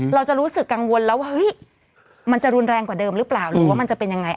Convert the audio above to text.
เราจะรู้สึกกังวลแล้วว่าเฮ้ยมันจะรุนแรงกว่าเดิมหรือเปล่าหรือว่ามันจะเป็นยังไง